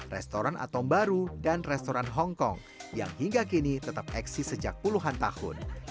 restoran atom baru dan restoran hongkong yang hingga kini tetap eksis sejak puluhan tahun